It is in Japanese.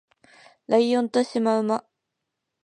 ライオンとシマウマ